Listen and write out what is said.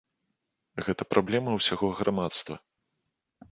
Гэта праблема ўсяго грамадства.